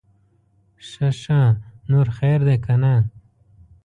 ښه ښه, نور خير دے که نه؟